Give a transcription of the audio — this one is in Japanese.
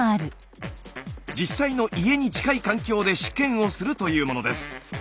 実際の家に近い環境で試験をするというものです。